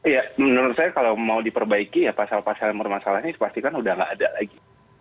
ya menurut saya kalau mau diperbaiki ya pasal pasal yang bermasalah ini pasti kan udah nggak ada lagi